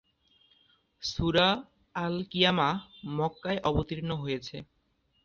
সূরা আল-ক্বিয়ামাহ মক্কায় অবতীর্ণ হয়েছে।